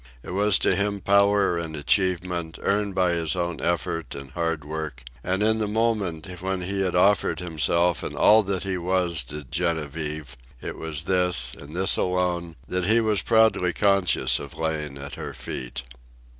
It was to him power and achievement, earned by his own effort and hard work; and in the moment when he had offered himself and all that he was to Genevieve, it was this, and this alone, that he was proudly conscious of laying at her feet.